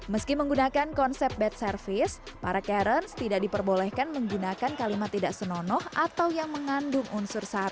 meski menggunakan konsep bed service para karens tidak diperbolehkan menggunakan kalimat tidak senonoh atau yang mengandung unsur saham